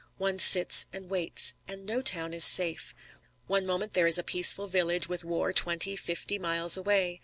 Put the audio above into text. One sits and waits. And no town is safe. One moment there is a peaceful village with war twenty, fifty miles away.